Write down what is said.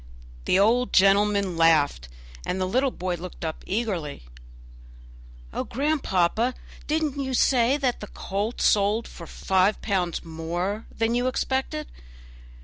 The old gentleman laughed, and the little boy looked up eagerly. "Oh, grandpapa, did you not say the colt sold for five pounds more than you expected?